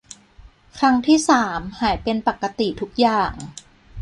ครั้งที่สามหายเป็นปกติทุกอย่าง